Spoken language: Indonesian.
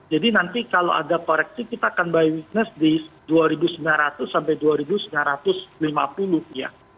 jadi nanti kalau ada koreksi kita akan buy weakness di dua ribu sembilan ratus sampai dua ribu sembilan ratus lima puluh ya